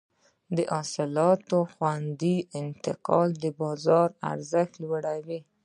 د حاصلاتو خوندي انتقال د بازار ارزښت لوړوي.